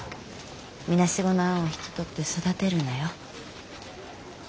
みなしごのアンを引き取って育てるのよ。